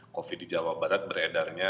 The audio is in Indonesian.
covid di jawa barat beredarnya